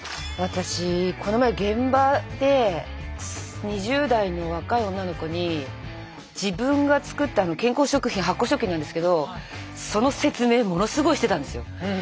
私この前現場で２０代の若い女の子に自分が作った健康食品発酵食品なんですけどその説明ものすごいしてたんですよ。